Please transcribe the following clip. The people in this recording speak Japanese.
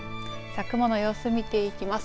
さあ、雲の様子見ていきます。